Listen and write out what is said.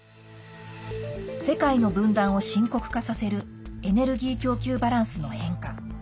世界の分断を深刻化させるエネルギー供給バランスの変化。